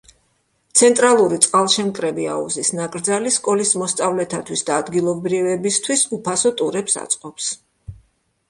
ცენტრალური წყალშემკრები აუზის ნაკრძალი სკოლის მოსწავლეთათვის და ადგილობრივებისთვის უფასო ტურებს აწყობს.